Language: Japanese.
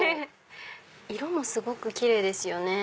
色もすごく奇麗ですよね。